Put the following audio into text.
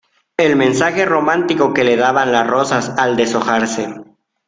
el mensaje romántico que le daban las rosas al deshojarse.